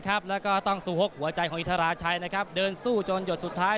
กล้องศักดิ์๑๐หมื่นมี